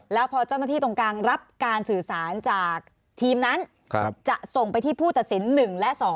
แล้วพอเจ้าหน้าที่ตรงกลางรับการสื่อสารจากทีมนั้นจะส่งไปที่ผู้ตัดสิน๑และ๒